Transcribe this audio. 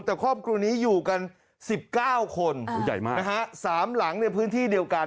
แต่ครอบครัวนี้อยู่กัน๑๙คนใหญ่มากนะฮะสามหลังในพื้นที่เดียวกัน